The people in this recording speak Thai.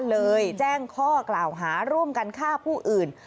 เลยแจ้งข้อกล่าวหาร่วมกันฆ่าผู้อื่น